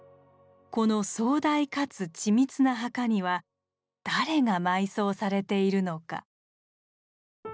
この壮大かつ緻密な墓には誰が埋葬されているのか。